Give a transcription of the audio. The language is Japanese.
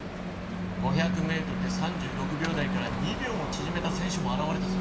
５００メートルで３６秒台から２秒もちぢめた選手も現れたぞ。